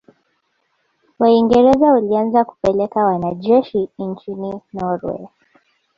Waingerza walianza kupeleka wanajeshi nchini Norway